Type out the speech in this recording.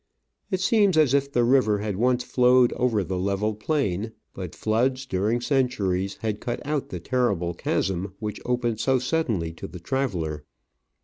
It seems as if the river had once flowed over the level plain, but floods, during centuries, had cut out the terrible chasm which opens so suddenly to the traveller.